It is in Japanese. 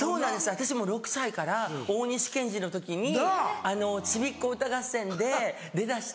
私も６歳から大西賢示の時に『ちびっこ歌合戦』で出だして。